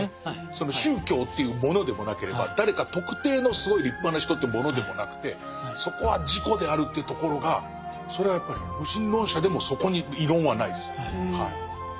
その宗教というものでもなければ誰か特定のすごい立派な人ってものでもなくてそこは自己であるというところがそれはやっぱり無神論者でもそこに異論はないです。